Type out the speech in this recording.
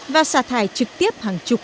và xả thải trực tiếp hàng chục